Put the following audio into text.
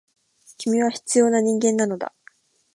君は必要な人間なのだ。